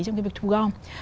trong cái việc thu gom